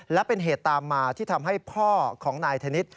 และเป็นเหตุตามมาที่ทำให้พ่อของนายธนิษฐ์